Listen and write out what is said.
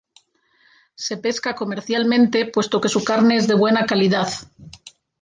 Se pesca comercialmente puesto que su carne es de buena calidad.